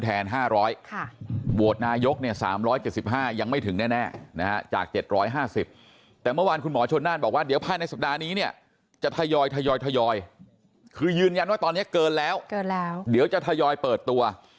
แทน๕๐๐บทนายก๓๗๕ยังไม่ถึงแน่จาก๗๕๐แต่เมื่อวานคุณหมอชนน่านบอกว่าเดี๋ยวภายในสัปดาห์นี้เนี่ยจะทยอยทยอยทยอยคือยืนยันว่าตอนนี้เกินแล้วเกินแล้วเดี๋ยวจะทยอยเปิดตัว